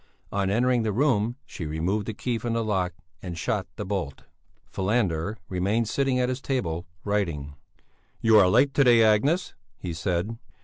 On entering the room, she removed the key from the lock and shot the bolt. Falander remained sitting at his table, writing. "You are late to day, Agnes," he said.